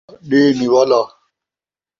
آلا ݙے نِوالا